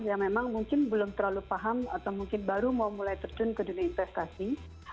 yang memang mungkin belum terlalu paham atau mungkin baru mau mulai terjun ke dunia investasi